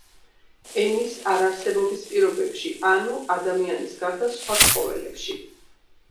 ენის არარსებობის პირობებში, ანუ ადამიანის გარდა სხვა ცხოველებში.